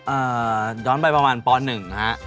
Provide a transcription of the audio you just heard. อ่าย้อนไปประมาณป๑นะฮะ